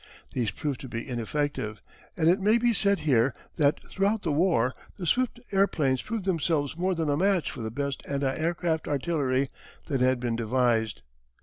These proved to be ineffective and it may be said here that throughout the war the swift airplanes proved themselves more than a match for the best anti aircraft artillery that had been devised.